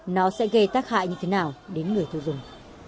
nó sẽ gây tác hại như thế nào đến người sử dụng